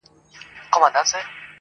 مُلا وویل نیم عمر دي تباه سو!.